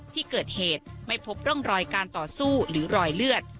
ที่เกิดเหตุไม่พบร่องรอยการต่อสู้หรือรอยเลือด